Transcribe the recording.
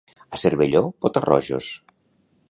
A Cervelló, pota-rojos.